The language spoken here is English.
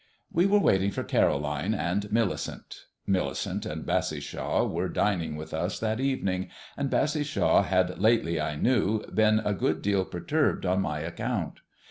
We were waiting for Caroline and Millicent. Millicent and Bassishaw were dining with us that evening, and Bassishaw had lately, I knew, been a good deal perturbed on my account.